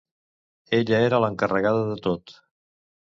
Ella era l'encarregada de tot.